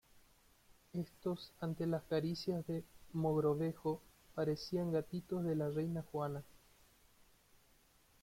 Estos ante las caricias de Mogrovejo parecían gatitos de la reina Juana.